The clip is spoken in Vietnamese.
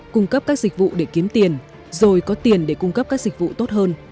cung cấp các dịch vụ để kiếm tiền rồi có tiền để cung cấp các dịch vụ tốt hơn